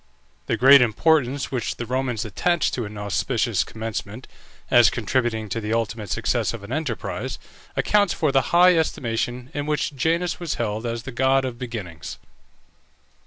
The great importance which the Romans attached to an auspicious commencement, as contributing to the ultimate success of an enterprise, accounts for the high estimation in which Janus was held as the god of beginnings.